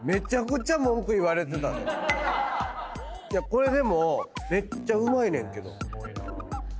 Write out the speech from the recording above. これでもめっちゃうまいねんけど。